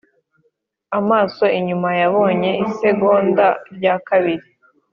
amaso inyuma yabonye isegonda ryakabiri